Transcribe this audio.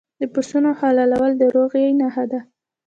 د پسونو حلالول د روغې نښه ده.